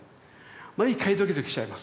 毎回ドキドキしちゃいます。